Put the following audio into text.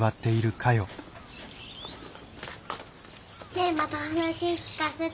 ねえまたお話聞かせて。